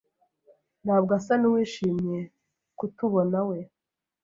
ntabwo asa nuwishimiye kutubonawe.